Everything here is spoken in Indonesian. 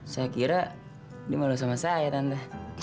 saya kira ini malu sama saya tante